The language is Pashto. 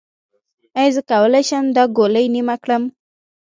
ایا زه کولی شم دا ګولۍ نیمه کړم؟